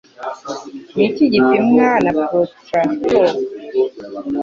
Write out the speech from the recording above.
Ni iki gipimwa na protrator?